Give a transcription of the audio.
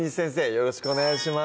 よろしくお願いします